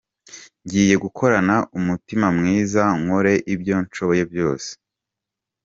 "Ngiye gukorana umutima mwiza, nkore ibyo nshoboye byose".